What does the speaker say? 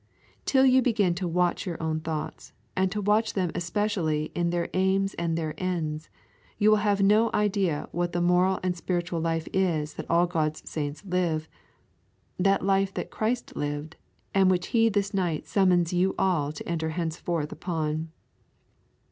Till you begin to watch your own thoughts, and to watch them especially in their aims and their ends, you will have no idea what that moral and spiritual life is that all God's saints live; that life that Christ lived, and which He this night summons you all to enter henceforth upon.